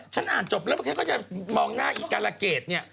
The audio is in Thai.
ฉันอ่านจบแล้วเมื่อกี้ก็จะมองหน้าอีกฎาเกตนี่